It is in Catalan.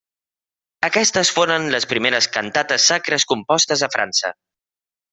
Aquestes foren les primeres cantates sacres compostes a França.